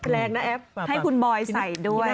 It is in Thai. แรงนะแอฟให้คุณบอยใส่ด้วย